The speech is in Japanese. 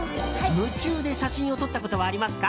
夢中で写真を撮ったことはありますか？